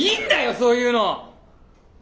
そういうの！